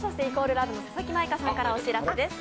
ＬＯＶＥの佐々木舞香さんからお知らせです。